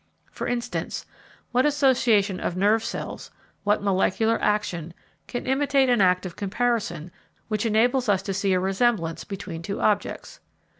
For instance, what association of nerve cells, what molecular action, can imitate an act of comparison which enables us to see a resemblance between two objects?